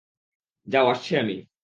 যাও আসছি আমি।